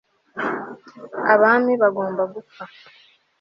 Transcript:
abami bagomba gupfa